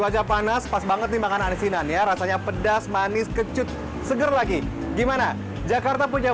wajah panas pas banget dimakanan asinannya rasanya pedas manis kecut seger lagi gimana jakarta punya